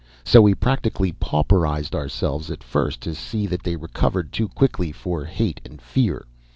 So we practically pauperized ourselves at first to see that they recovered too quickly for hate and fear.